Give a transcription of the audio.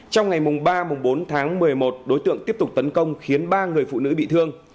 trong ngày ba bốn tháng một mươi một đối tượng tiếp tục tấn công khiến ba người phụ nữ bị thương